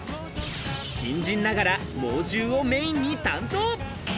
新人ながら猛獣をメーンに担当。